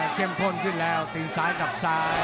ลงได้เคร่มพลขึ้นแล้วติ้นซ้ายกลับซ้าย